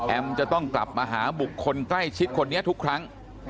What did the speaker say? จะต้องกลับมาหาบุคคลใกล้ชิดคนนี้ทุกครั้ง